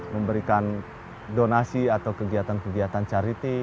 memberikan donasi atau kegiatan kegiatan cariti